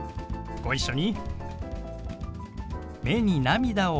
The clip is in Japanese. ご一緒に。